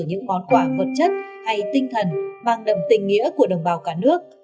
những món quà vật chất hay tinh thần mang đậm tình nghĩa của đồng bào cả nước